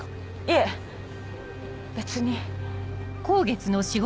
いえ別に。